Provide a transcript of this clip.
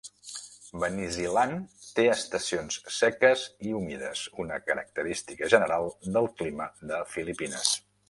Banisilan té estacions seques i humides, una característica general del clima de Filipines.